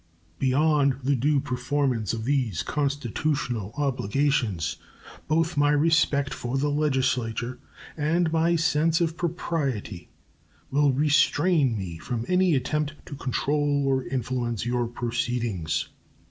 Beyond the due performance of these constitutional obligations, both my respect for the Legislature and my sense of propriety will restrain me from any attempt to control or influence your proceedings.